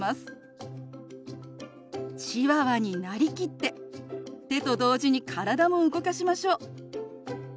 チワワになりきって手と同時に体も動かしましょう。